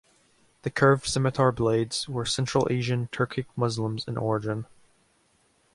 The curved scimitar blades were Central Asian Turkic Muslims in origin.